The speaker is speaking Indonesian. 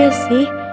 iya juga sih